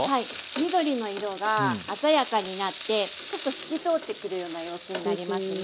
緑の色が鮮やかになってちょっと透き通ってくるような様子になりますね。